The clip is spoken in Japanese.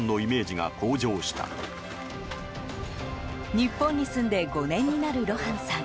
日本に住んで５年になるロハンさん。